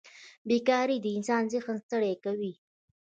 بېکارۍ د انسان ذهن ستړی کوي.